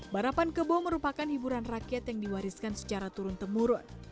barapan kerbau merupakan hiburan rakyat yang diwariskan secara turun temurun